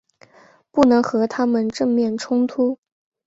不能和他们正面冲突